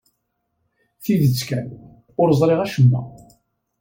Tidet kan, ur ẓriɣ acemma.